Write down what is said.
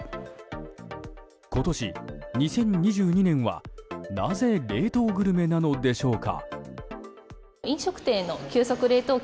今年、２０２２年はなぜ冷凍グルメなのでしょうか。